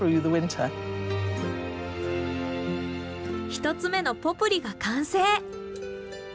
１つ目のポプリが完成。